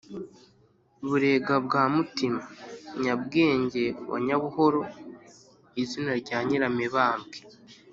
burega bwa mutima: nyabwenge wa nyabuhoro, izina rya nyiramibambwe